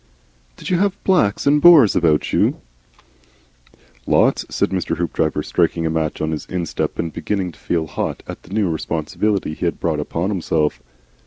"Did you have Blacks and Boers about you?" "Lots," said Mr. Hoopdriver, striking a match on his instep and beginning to feel hot at the new responsibility he had brought upon himself.